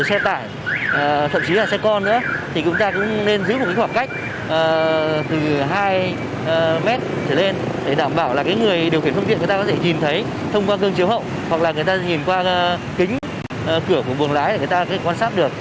xe tải thậm chí là xe con nữa thì chúng ta cũng nên giữ một khoảng cách từ hai mét trở lên để đảm bảo là người điều khiển phương tiện người ta có thể nhìn thấy thông qua cơn chiếu hậu hoặc là người ta nhìn qua kính cửa của buồng lái để người ta có thể quan sát được